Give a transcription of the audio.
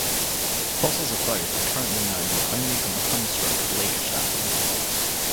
Fossils of both are currently known only from the Hunsruck lagerstatten.